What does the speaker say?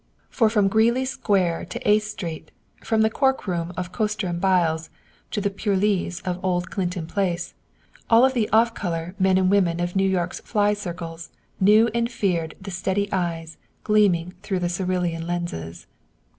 For from Greely Square to Eighth Street, from the cork room of Koster & Bial's to the purlieus of old Clinton Place, all the "off color" men and women of New York's "fly" circles knew and feared the steady eyes gleaming through the cerulean lenses.